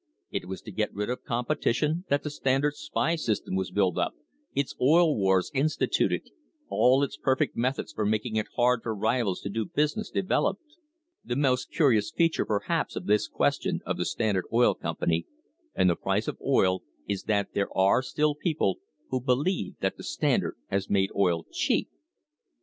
It was to get rid of competition that the Standard's spy system was built up, its oil wars instituted, all its per fect methods for making it hard for rivals to do business developed. The most curious feature perhaps of this question of the Standard Oil Company and the price of oil is that there are still people who believe that the Standard has made oil cheap!